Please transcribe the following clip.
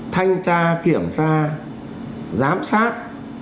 thanh tra kiểm tra giám sát